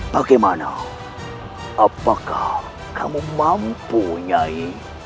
bagaimana apakah kamu mampu nyai